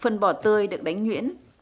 phân bò tươi được đánh nhuyễn